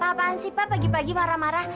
pak apaan sih pak pagi pagi marah marah